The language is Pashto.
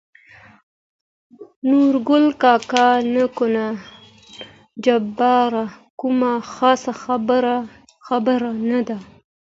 نورګل کاکا: نه کنه جباره کومه خاصه خبره نه ده.